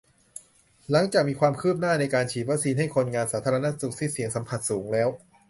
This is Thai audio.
หลังจากมีความคืบหน้า ในการฉีดวัคซีนให้คนงานสาธารณสุขที่เสี่ยงสัมผัสสูงแล้ว